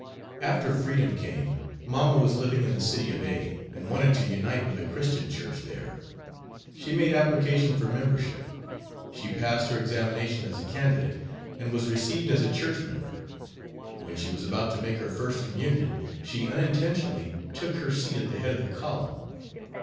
After freedom came, mamma was living in the city of A , and wanted to unite with a Christian church there. She made application for membership. She passed her examination as a candidate, and was received as a church member. When she was about to make her first communion, she unintentionally took her seat at the head of the column.